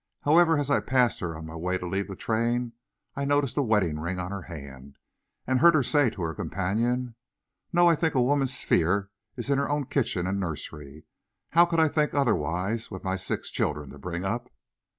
However, as I passed her on my way to leave the train I noticed a wedding ring on her hand, and heard her say to her companion, "No; I think a woman's sphere is in her own kitchen and nursery. How could I think otherwise, with my six children to bring up?"